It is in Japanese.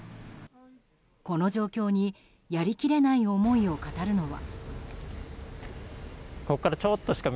この状況にやりきれない思いを語るのは。